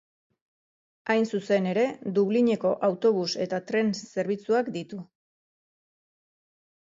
Hain zuzen ere Dublineko autobus eta tren zerbitzuak ditu.